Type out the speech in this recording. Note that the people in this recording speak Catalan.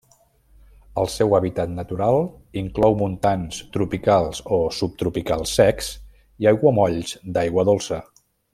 El seu hàbitat natural inclou montans tropicals o subtropicals secs i aiguamolls d'aigua dolça.